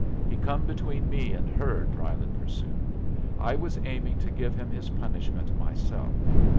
"He come between me and her," Drylyn pursued. "I was aiming to give him his punishment myself.